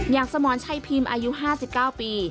อย่างสมรชัยพิมพ์อายุ๕๙ปี